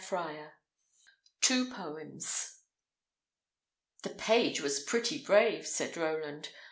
XVII TWO POEMS "THE page was pretty brave," said Roland.